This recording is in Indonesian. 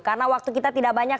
karena waktu kita tidak banyak